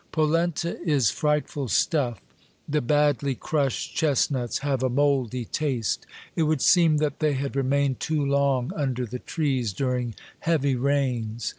Polenta is frightful stuff. The badly crushed chestnuts have a mouldy taste ; it would seem that they had remained too long under the trees dur ing heavy rains.